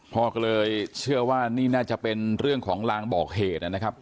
พ่อก็เลยเชื่อว่านี่น่าจะเป็นเรื่องของลางบอกเหตุนะครับ